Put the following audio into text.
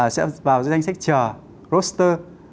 sẽ vào danh sách chờ roster